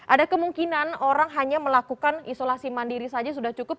ada kemungkinan orang hanya melakukan isolasi mandiri saja sudah cukup